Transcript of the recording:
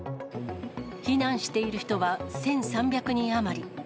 避難している人は１３００人余り。